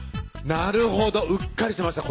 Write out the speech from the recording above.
なるほどうっかりしてました